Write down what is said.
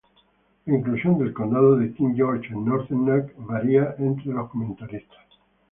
La inclusión del condado de King George en Northern Neck varía entre los comentaristas.